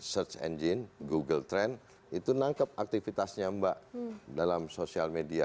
search engine google trend itu nangkep aktivitasnya mbak dalam sosial media